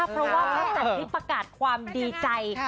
เพราะว่าแม่สันทิพย์ประกาศความดีใจ